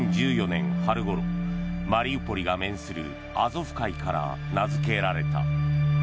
春ごろマリウポリが面するアゾフ海から名づけられた。